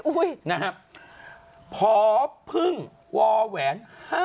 อุ๊ยนะครับพอพึ่งวอแหวน๕๒๕๓